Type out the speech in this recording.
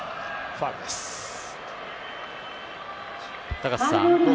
高瀬さん